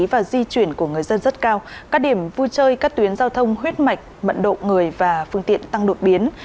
và di chuyển của người dân rất cao các điểm vui chơi các tuyến giao thông huyết mạch mận độ người và phương tiện tăng đột biến